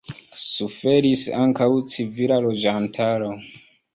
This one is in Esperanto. Suferis ankaŭ civila loĝantaro.